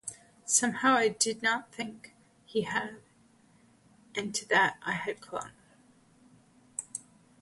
Somehow I did not think he had, and to that I had clung.